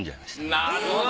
なるほど。